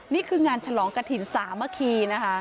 นี่คืองานฉลองกระถิ่นสามัคคีนะคะ